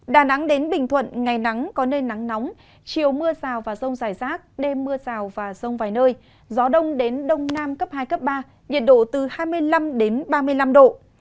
đà nẵng đến bình thuận ngày nắng có nơi nắng nóng chiều mưa rào và rông rải rác đêm mưa rào và rông vài nơi gió đông đến đông nam cấp hai cấp ba nhiệt độ từ hai mươi năm đến ba mươi năm độ